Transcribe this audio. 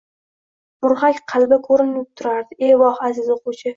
murg‘ak qalbi... ko‘rinib turardi. E voh, aziz o‘quvchi!